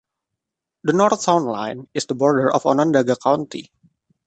The north town line is the border of Onondaga County.